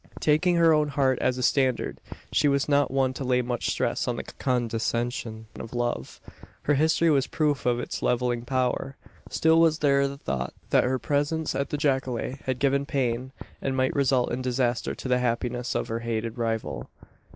Taking her own heart as a standard, she was not one to lay much stress on the condescension of love: her own history was proof of its levelling power. Still was there the thought that her presence at the jacale had given pain, and might result in disaster to the happiness of her hated rival.